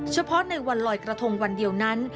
เฉพาะในวันลอยกระทงวันเดียวนั้น